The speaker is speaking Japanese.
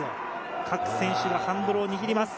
各選手がハンドルを握ります。